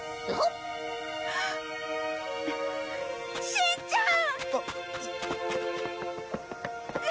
しんちゃん！